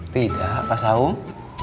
tidak pak sahung